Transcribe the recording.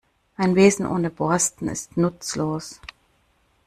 Ein Besen ohne Borsten ist nutzlos.